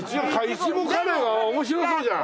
苺カレーが面白そうじゃん！